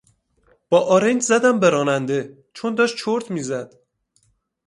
با آرنج زدم به راننده چون داشت چرت میزد.